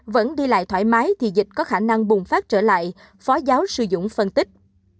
vẫn đi lại thoải mái thì dịch có khả năng bùng phát trở lại phó giáo sư dũng phân tích